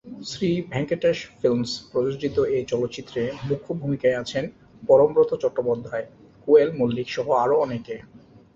Shri Venkatesh films প্রযোজিত এ চলচ্চিত্রে মুখ্য ভূমিকায় আছেন পরমব্রত চট্টোপাধ্যায়, কোয়েল মল্লিক সহ আরো অনেকে।